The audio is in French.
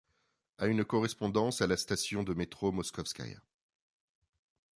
A un correspondance à la station de métro Moskovskaïa.